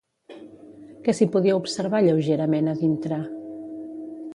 Què s'hi podia observar lleugerament a dintre?